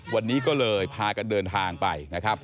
วันนี้ก็เลยพากันเดินทางไปนะครับ